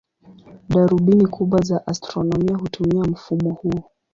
Darubini kubwa za astronomia hutumia mfumo huo.